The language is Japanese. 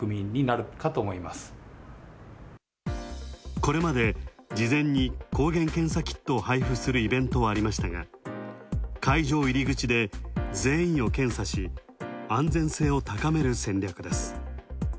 これまで事前に抗原検査キットを配布するイベントはありましたが会場入り口で、全員を検査し、安全性を高める戦略です。